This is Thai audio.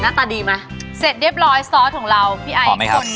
หน้าตาดีมาเสร็จเรียบร้อยซอสของเราหอมมั้ยครับ